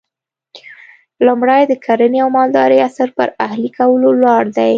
لومړی د کرنې او مالدارۍ عصر پر اهلي کولو ولاړ دی